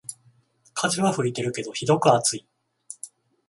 風は吹いてるけどひどく暑い